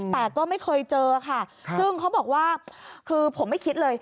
แต่ก็ไม่เคยเจอค่ะซึ่งเขาบอกว่าคือผมไม่คิดเลย